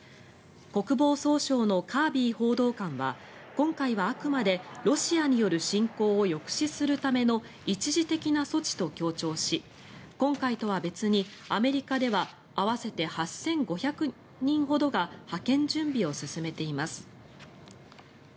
国防総省のカービー報道官は今回はあくまでロシアによる侵攻を抑止するための一時的な措置と強調し今回とは別にアメリカでは合わせて８５００人ほどが派遣準備を進めています。